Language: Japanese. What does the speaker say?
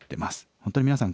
本当に皆さん